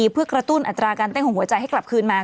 เพื่อกระตุ้นอัตราการเต้นของหัวใจให้กลับคืนมา